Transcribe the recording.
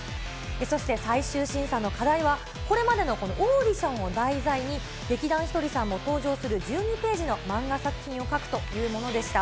そして最終審査の課題は、これまでのオーディションを題材に、劇団ひとりさんも登場する１２ページの漫画作品を描くというものでした。